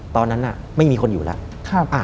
ตอนนั้นไม่มีคนอยู่แล้ว